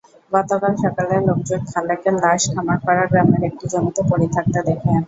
গতকাল সকালে লোকজন খালেকের লাশ খামারপাড়া গ্রামের একটি জমিতে পড়ে থাকতে দেখেন।